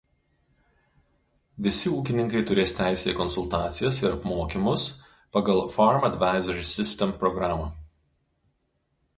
Visi ūkininkai turės teisę į konsultacijas ir apmokymus pagal "Farm Advisory System" programą.